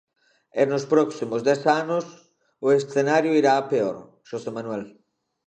E nos próximos dez anos o escenario irá a peor, Xosé Manuel.